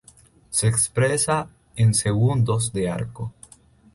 Se expresa en segundos de arco.